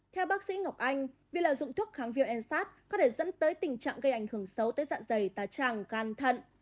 theo bác sĩ ngọc anh việc lợi dụng thuốc kháng viên nsaid có thể dẫn tới tình trạng gây ảnh hưởng xấu tới dạng dày tà tràng gan thận